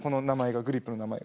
グリップの名前が。